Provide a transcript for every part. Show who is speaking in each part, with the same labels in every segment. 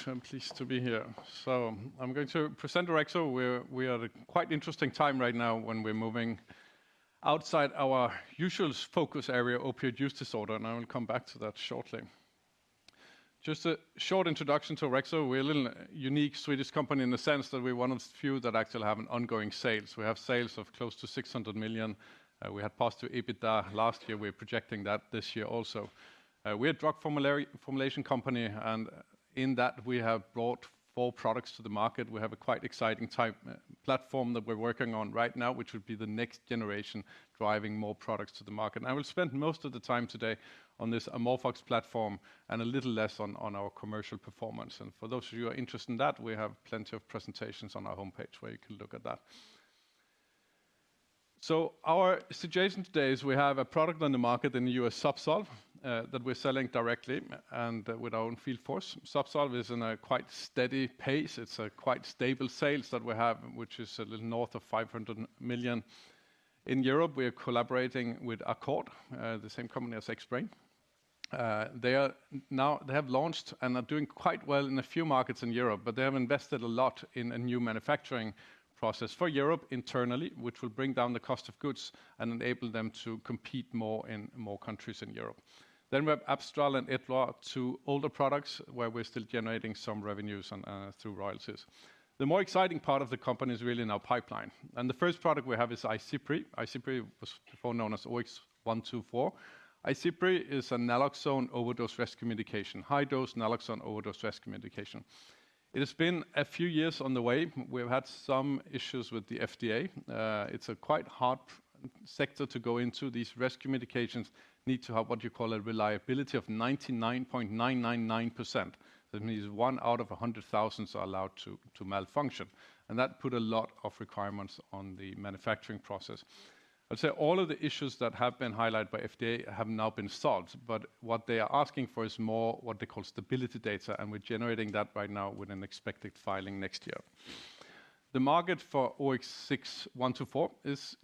Speaker 1: It's a pleasure to be here, so I'm going to present Orexo. We're at a quite interesting time right now when we're moving outside our usual focus area, opioid use disorder, and I will come back to that shortly. Just a short introduction to Orexo. We're a little unique Swedish company in the sense that we're one of the few that actually have ongoing sales. We have sales of close to 600 million. We had positive EBITDA last year. We're projecting that this year also. We're a drug formulation company, and in that, we have brought four products to the market. We have a quite exciting platform that we're working on right now, which would be the next generation driving more products to the market, and I will spend most of the time today on this AmorphOX platform and a little less on our commercial performance. For those of you who are interested in that, we have plenty of presentations on our homepage where you can look at that. Our suggestion today is we have a product on the market in the U.S., Zubsolv, that we're selling directly and with our own field force. Zubsolv is in a quite steady pace. It's a quite stable sales that we have, which is a little north of $50 million. In Europe, we are collaborating with Accord, the same company as Xbrane. They have launched and are doing quite well in a few markets in Europe, but they have invested a lot in a new manufacturing process for Europe internally, which will bring down the cost of goods and enable them to compete more in more countries in Europe. We have Abstral and Edluar, two older products where we're still generating some revenues through royalties. The more exciting part of the company is really in our pipeline. The first product we have is Izipry. Izipry was before known as OX124. Izipry is a naloxone overdose rescue medication, high-dose naloxone overdose rescue medication. It has been a few years on the way. We've had some issues with the FDA. It's a quite hard sector to go into. These rescue medications need to have what you call a reliability of 99.999%. That means one out of 100,000 are allowed to malfunction. That put a lot of requirements on the manufacturing process. I'd say all of the issues that have been highlighted by FDA have now been solved, but what they are asking for is more what they call stability data, and we're generating that right now with an expected filing next year. The market for OX124 is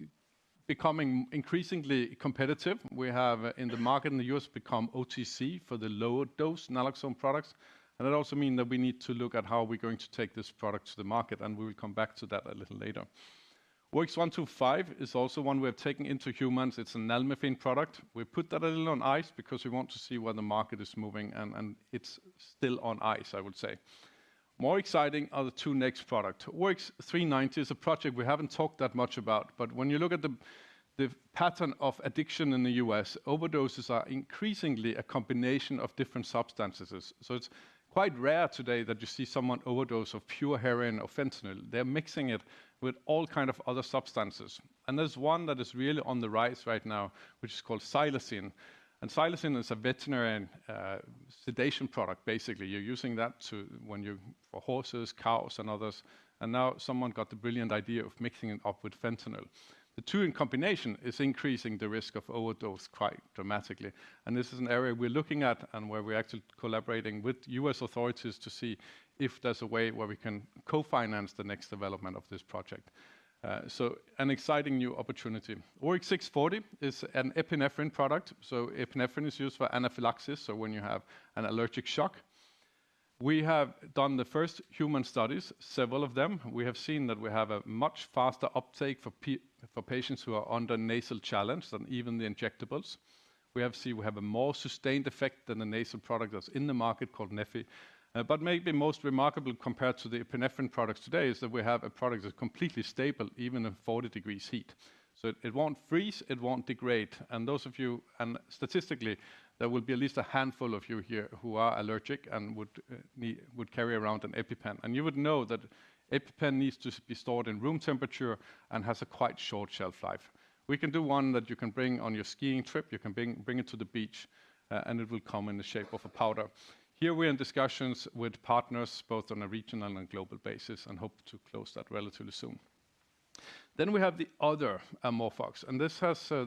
Speaker 1: becoming increasingly competitive. We have in the market in the U.S. become OTC for the lower-dose naloxone products, and that also means that we need to look at how we're going to take this product to the market, and we will come back to that a little later. OX125 is also one we're taking into humans. It's a nalmefene product. We put that a little on ice because we want to see where the market is moving, and it's still on ice, I would say. More exciting are the two next products. OX390 is a project we haven't talked that much about, but when you look at the pattern of addiction in the U.S., overdoses are increasingly a combination of different substances, so it's quite rare today that you see someone overdose of pure heroin or fentanyl. They're mixing it with all kinds of other substances. And there's one that is really on the rise right now, which is called xylazine. And xylazine is a veterinary sedation product, basically. You're using that when you're for horses, cows, and others. And now someone got the brilliant idea of mixing it up with fentanyl. The two in combination is increasing the risk of overdose quite dramatically. And this is an area we're looking at and where we're actually collaborating with U.S. authorities to see if there's a way where we can co-finance the next development of this project. So an exciting new opportunity. OX640 is an epinephrine product. So epinephrine is used for anaphylaxis, so when you have an allergic shock. We have done the first human studies, several of them. We have seen that we have a much faster uptake for patients who are under nasal challenge than even the injectables. We have seen a more sustained effect than the nasal product that's in the market called neffy. But maybe most remarkable compared to the epinephrine products today is that we have a product that's completely stable even in 40 degrees heat. So it won't freeze, it won't degrade. And those of you, and statistically, there will be at least a handful of you here who are allergic and would carry around an EpiPen. And you would know that EpiPen needs to be stored in room temperature and has a quite short shelf life. We can do one that you can bring on your skiing trip, you can bring it to the beach, and it will come in the shape of a powder. Here we are in discussions with partners both on a regional and global basis and hope to close that relatively soon. Then we have the other AmorphOX.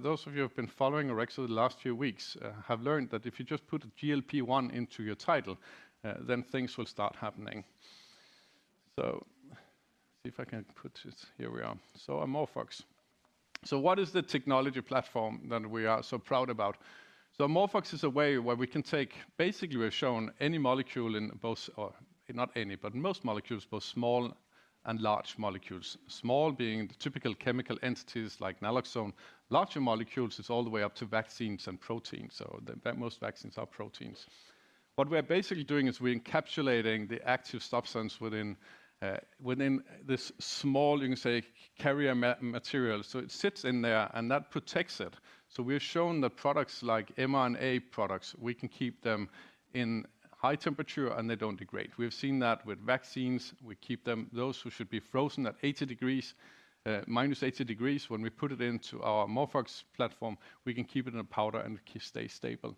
Speaker 1: Those of you who have been following Orexo the last few weeks have learned that if you just put GLP-1 into your title, then things will start happening. See if I can put it. Here we are. AmorphOX is the technology platform that we are so proud about. AmorphOX is a way where we can take basically we've shown any molecule in both, not any, but most molecules, both small and large molecules. Small being the typical chemical entities like naloxone. Larger molecules is all the way up to vaccines and proteins. Most vaccines are proteins. What we're basically doing is we're encapsulating the active substance within this small, you can say, carrier material. It sits in there and that protects it. We've shown that products like mRNA products, we can keep them in high temperature and they don't degrade. We've seen that with vaccines. We keep those who should be frozen at 80 degrees, minus 80 degrees. When we put it into our AmorphOX platform, we can keep it in a powder and it stays stable.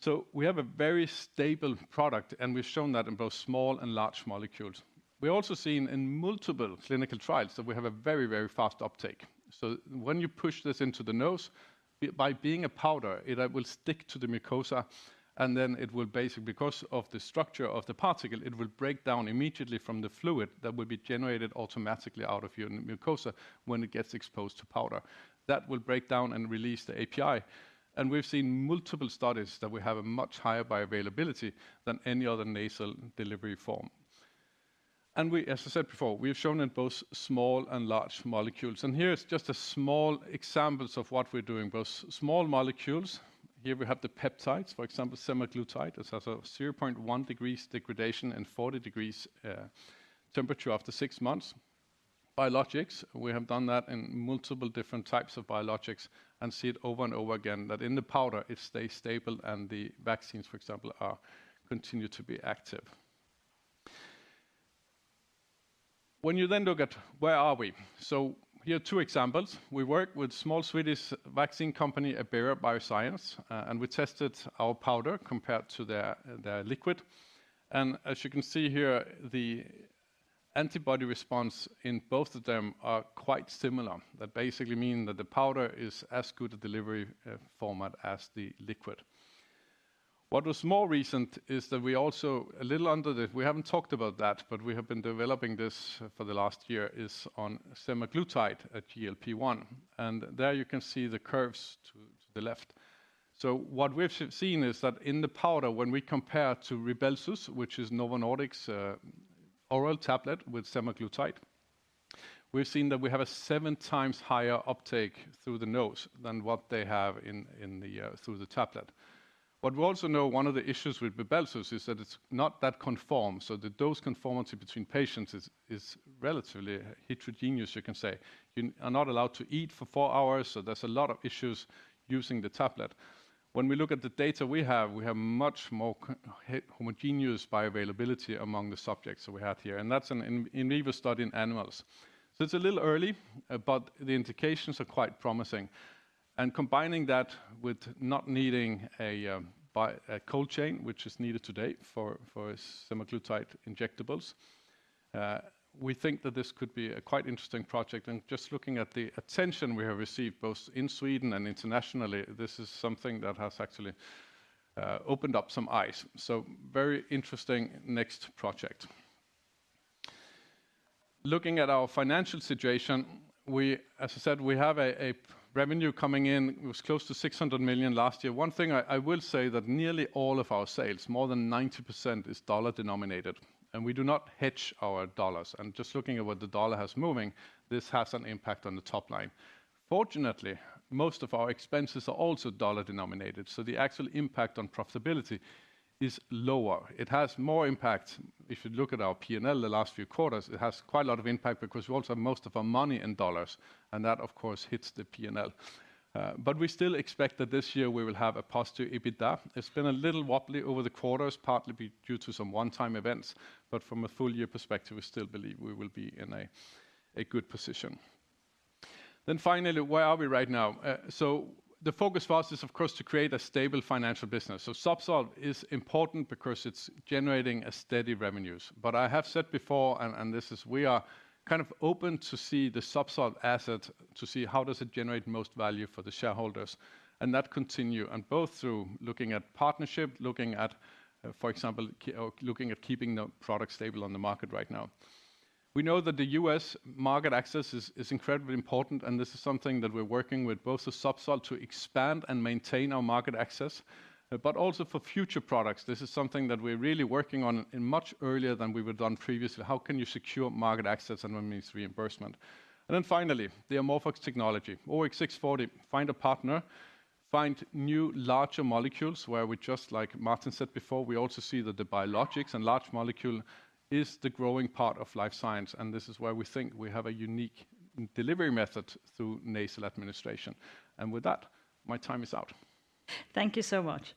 Speaker 1: So we have a very stable product and we've shown that in both small and large molecules. We've also seen in multiple clinical trials that we have a very, very fast uptake. So when you push this into the nose, by being a powder, it will stick to the mucosa and then it will basically, because of the structure of the particle, it will break down immediately from the fluid that will be generated automatically out of your mucosa when it gets exposed to powder. That will break down and release the API. We've seen multiple studies that we have a much higher bioavailability than any other nasal delivery form. As I said before, we've shown in both small and large molecules. Here's just a small example of what we're doing. Those small molecules, here we have the peptides, for example, semaglutide, which has a 0.1% degradation and 40 degrees temperature after six months. Biologics, we have done that in multiple different types of biologics and see it over and over again that in the powder it stays stable and the vaccines, for example, continue to be active. When you then look at where are we, so here are two examples. We work with a small Swedish vaccine company, Abera Bioscience, and we tested our powder compared to their liquid. As you can see here, the antibody response in both of them is quite similar. That basically means that the powder is as good a delivery format as the liquid. What was more recent is that we also, a little under the, we haven't talked about that, but we have been developing this for the last year, is on semaglutide at GLP-1. And there you can see the curves to the left. So what we've seen is that in the powder, when we compare to Rybelsus, which is Novo Nordisk's oral tablet with semaglutide, we've seen that we have a seven times higher uptake through the nose than what they have through the tablet. But we also know one of the issues with Rybelsus is that it's not that conformed. So the dose conformity between patients is relatively heterogeneous, you can say. You are not allowed to eat for four hours, so there's a lot of issues using the tablet. When we look at the data we have, we have much more homogeneous bioavailability among the subjects that we have here. And that's an in vivo study in animals. So it's a little early, but the indications are quite promising. And combining that with not needing a cold chain, which is needed today for semaglutide injectables, we think that this could be a quite interesting project. And just looking at the attention we have received both in Sweden and internationally, this is something that has actually opened up some eyes. So very interesting next project. Looking at our financial situation, as I said, we have a revenue coming in. It was close to 600 million last year. One thing I will say is that nearly all of our sales, more than 90%, is dollar denominated. And we do not hedge our dollars. Just looking at what the dollar has moving, this has an impact on the top line. Fortunately, most of our expenses are also dollar denominated, so the actual impact on profitability is lower. It has more impact. If you look at our P&L the last few quarters, it has quite a lot of impact because we also have most of our money in dollars. And that, of course, hits the P&L. But we still expect that this year we will have a positive EBITDA. It's been a little wobbly over the quarters, partly due to some one-time events, but from a full year perspective, we still believe we will be in a good position. Finally, where are we right now? The focus for us is, of course, to create a stable financial business. Zubsolv is important because it's generating steady revenues. But I have said before, and this is, we are kind of open to see the Zubsolv asset, to see how does it generate most value for the shareholders. And that continues both through looking at partnership, looking at, for example, looking at keeping the product stable on the market right now. We know that the U.S. market access is incredibly important, and this is something that we're working with both the Zubsolv to expand and maintain our market access, but also for future products. This is something that we're really working on much earlier than we were done previously. How can you secure market access and reimbursement? And then finally, the AmorphOX technology, OX640, find a partner, find new larger molecules where we just, like Martin said before, we also see that the biologics and large molecules is the growing part of life science. And this is where we think we have a unique delivery method through nasal administration. And with that, my time is out. Thank you so much.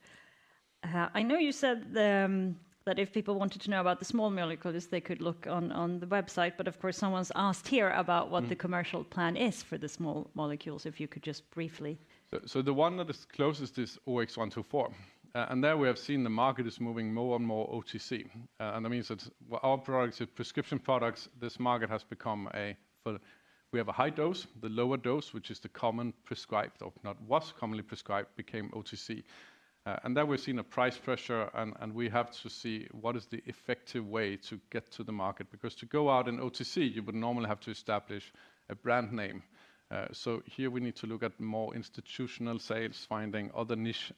Speaker 1: I know you said that if people wanted to know about the small molecules, they could look on the website, but of course, someone's asked here about what the commercial plan is for the small molecules, if you could just briefly. So the one that is closest is OX124. And there we have seen the market is moving more and more OTC. And that means that our products are prescription products. This market has become a, we have a high dose, the lower dose, which is the common prescribed, or not was commonly prescribed, became OTC. And there we've seen a price pressure, and we have to see what is the effective way to get to the market. Because to go out in OTC, you would normally have to establish a brand name. So here we need to look at more institutional sales, finding other niche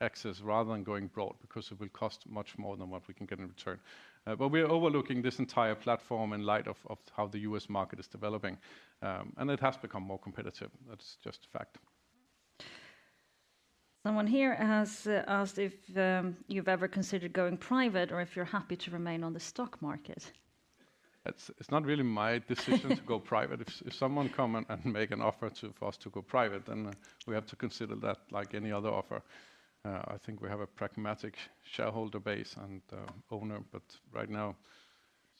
Speaker 1: access rather than going broad because it will cost much more than what we can get in return. But we're overlooking this entire platform in light of how the U.S. market is developing. And it has become more competitive. That's just a fact. Someone here has asked if you've ever considered going private or if you're happy to remain on the stock market. It's not really my decision to go private. If someone comes and makes an offer for us to go private, then we have to consider that like any other offer. I think we have a pragmatic shareholder base and owner, but right now,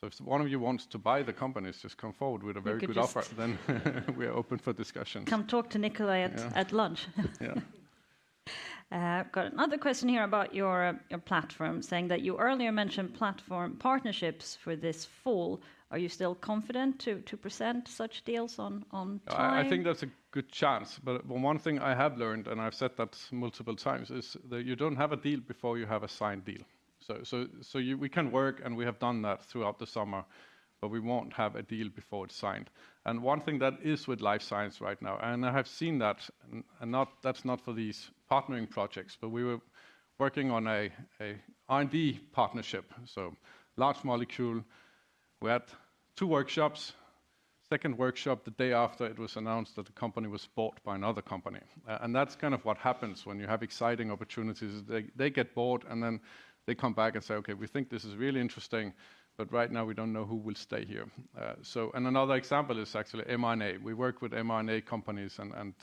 Speaker 1: so if one of you wants to buy the companies, just come forward with a very good offer. Then we are open for discussion. Come talk to Nikolaj at lunch. Yeah. Got another question here about your platform, saying that you earlier mentioned platform partnerships for this fall. Are you still confident to present such deals on time? I think that's a good chance. But one thing I have learned, and I've said that multiple times, is that you don't have a deal before you have a signed deal. So we can work, and we have done that throughout the summer, but we won't have a deal before it's signed. One thing that is with life science right now, and I have seen that, and that's not for these partnering projects, but we were working on an R&D partnership. Large molecule, we had two workshops. Second workshop, the day after it was announced that the company was bought by another company. That's kind of what happens when you have exciting opportunities. They get bought, and then they come back and say, "Okay, we think this is really interesting, but right now we don't know who will stay here." Another example is actually mRNA. We work with mRNA companies and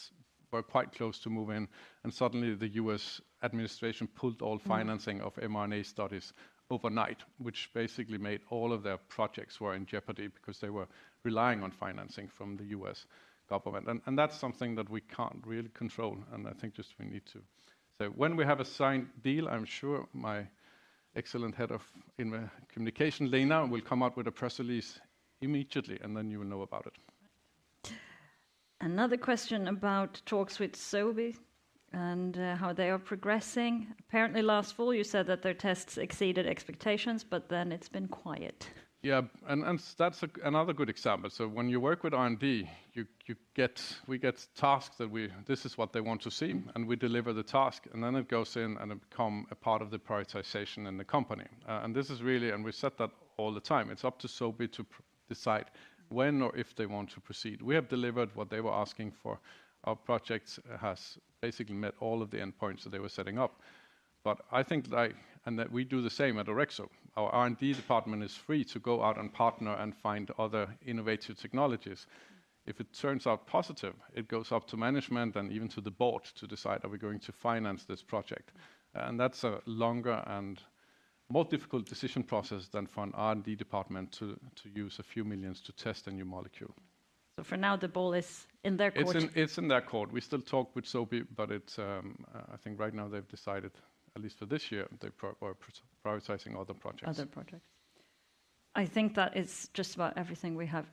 Speaker 1: were quite close to moving. Suddenly the U.S. administration pulled all financing of mRNA studies overnight, which basically made all of their projects in jeopardy because they were relying on financing from the U.S. government. That's something that we can't really control. I think just we need to say when we have a signed deal. I'm sure my excellent head of communication, Lena, will come out with a press release immediately, and then you will know about it. Another question about talks with Sobi and how they are progressing. Apparently last fall, you said that their tests exceeded expectations, but then it's been quiet. Yeah, and that's another good example. So when you work with R&D, we get tasks that this is what they want to see, and we deliver the task, and then it goes in and becomes a part of the prioritization in the company. This is really, and we said that all the time. It's up to Sobi to decide when or if they want to proceed. We have delivered what they were asking for. Our project has basically met all of the endpoints that they were setting up. But I think that we do the same at Orexo. Our R&D department is free to go out and partner and find other innovative technologies. If it turns out positive, it goes up to management and even to the board to decide, are we going to finance this project? And that's a longer and more difficult decision process than for an R&D department to use a few millions to test a new molecule. So for now, the ball is in their court. It's in their court. We still talk with Sobi, but I think right now they've decided, at least for this year, they're prioritizing other projects. Other projects. I think that it's just about everything we have.